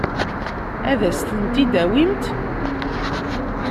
Ad as-tent-id-tawimt?